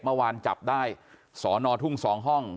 เมื่อวานจับได้สอนอทุ่ง๒ห้อง